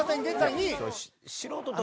現在２位。